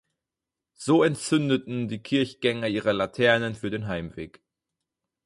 So entzündeten die Kirchgänger ihre Laternen für den Heimweg.